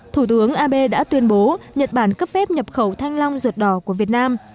thủ tướng abe đã tuyên bố nhật bản cấp phép nhập khẩu thanh long ruột đỏ của việt nam